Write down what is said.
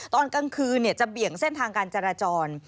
ตอนกลางคืนจะเบี่ยงเส้นทางการจราจร